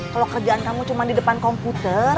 kalo kerjaan kamu cuman di depan komputer